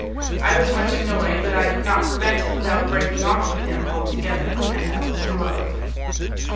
I was much annoyed, but I could not prevent it without breaking off with him, altogether, and I was in love.